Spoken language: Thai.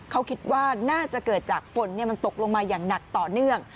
เขาคิดว่าน่าจะเกิดจากฝนมันตกลงมาอย่างหนักต่อเนื่อง